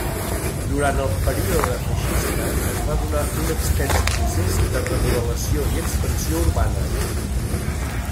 Durant el període feixista es va donar un extens procés de remodelació i expansió urbana.